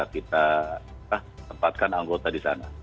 kita tempatkan anggota di sana